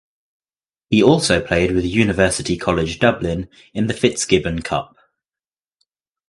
He also played with University College Dublin in the Fitzgibbon Cup.